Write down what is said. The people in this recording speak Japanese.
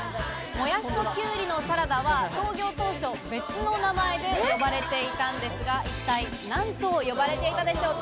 もやしときゅうりのサラダは創業当初、別の名前で呼ばれていたんですが、一体何と呼ばれていたでしょうか。